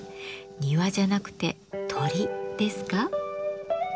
庭じゃなくて鳥ですか。